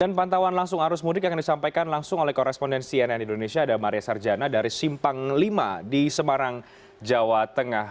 dan pantauan langsung arus mudik yang disampaikan langsung oleh korespondensi cnn indonesia ada maria sarjana dari simpang lima di semarang jawa tengah